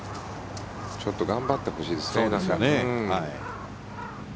ちょっと頑張ってほしいですね。